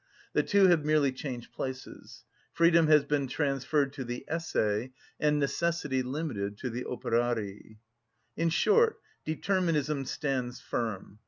The two have merely changed places: freedom has been transferred to the Esse, and necessity limited to the Operari. In short, Determinism stands firm.